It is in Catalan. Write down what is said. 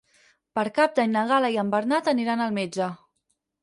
Per Cap d'Any na Gal·la i en Bernat aniran al metge.